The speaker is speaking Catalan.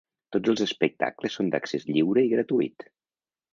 Tots els espectacles són d’accés lliure i gratuït.